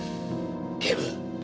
警部。